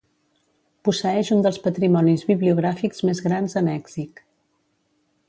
Posseeix un dels patrimonis bibliogràfics més grans a Mèxic.